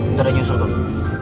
ntar dia nyusul gue